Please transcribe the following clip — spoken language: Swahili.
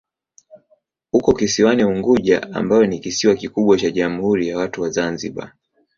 Uko kisiwani Unguja ambayo ni kisiwa kikubwa cha Jamhuri ya Watu wa Zanzibar.